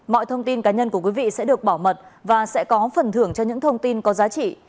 mọi thông tin cá nhân của quý vị sẽ được bảo mật và sẽ có phần thưởng cho những thông tin có giá trị